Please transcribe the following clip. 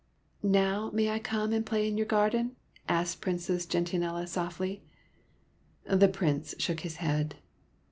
''Now may I come and play in your gar den?" asked Princess Gentianella, softly. The Prince still shook his head.